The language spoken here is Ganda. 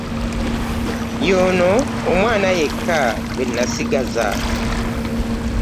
Y'ono omwana yekka gwe nasigaza.